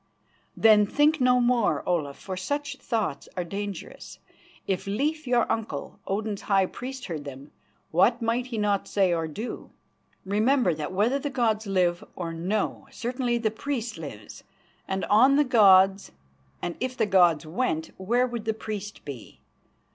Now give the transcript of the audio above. "Then think no more, Olaf, for such thoughts are dangerous. If Leif, your uncle, Odin's high priest, heard them, what might he not say or do? Remember that whether the gods live or no, certainly the priest lives, and on the gods, and if the gods went, where would the priest be?